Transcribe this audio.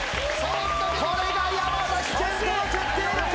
これが山賢人の決定力！